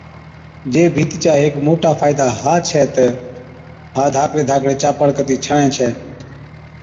جي ڀِيتي چا هيڪ موٽا فائِدا ها ڇَي تہ ها ڌاڪڙي ڌاڪڙي چاپڙ ڪتِي ڇَڻي ڇَي